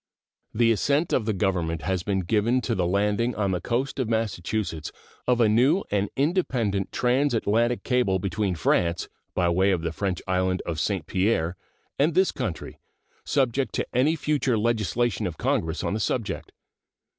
The assent of the Government has been given to the landing on the coast of Massachusetts of a new and independent transatlantic cable between France, by way of the French island of St. Pierre, and this country, subject to any future legislation of Congress on the subject.